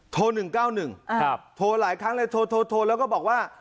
๑๙๑โทรหลายครั้งเลยโทรแล้วก็บอกว่า